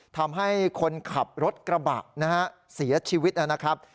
ทำให้คนขับรถกระบะนะฮะเสียชีวิตนะครับ